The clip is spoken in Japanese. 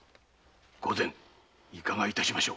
御前いかが致しましょう？